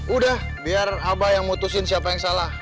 udah biar abah yang mutusin siapa yang salah